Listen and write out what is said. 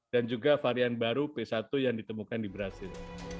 dan juga varian baru b satu yang ditemukan di brazil